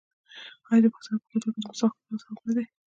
آیا د پښتنو په کلتور کې د مسواک وهل ثواب نه دی؟